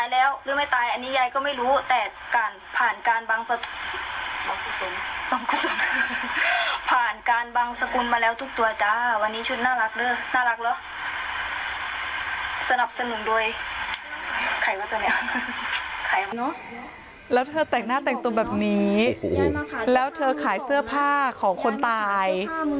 แล้วเธอแต่งหน้าแต่งตัวแบบนี้แล้วเธอขายเสื้อผ้าของคนตาย